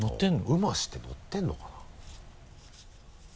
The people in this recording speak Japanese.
「うまし」って載ってるのかな？